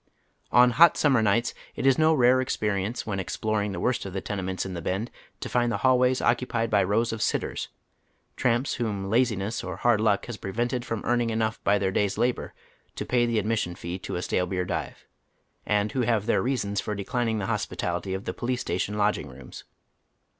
On hot summer nights it is no rare experience when exploring the worst of the tenements in "the Bend" to find the hallways occupied by rows of "sitters," tramps whom laziness or hard luck has prevented from earning enough by tlieir day's " labor " to pay the admission fee to a stale beer dive, and who have their reasons for declining the hospitality of the police station lodging rooms.